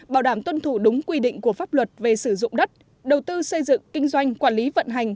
bảo đảm tuân thủ đúng quy định của pháp luật về sử dụng đất đầu tư xây dựng kinh doanh quản lý vận hành